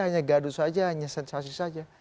hanya gaduh saja hanya sensasi saja